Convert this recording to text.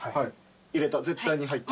入れた絶対に入った。